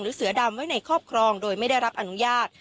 เสือดำไว้ในครอบครองโดยไม่ได้รับอนุญาต